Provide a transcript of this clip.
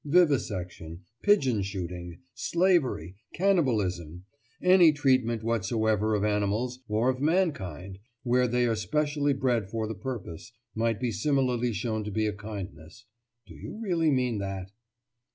Vivisection, pigeon shooting, slavery, cannibalism, any treatment whatsoever of animals or of mankind where they are specially bred for the purpose, might be similarly shown to be a kindness. Do you really mean that?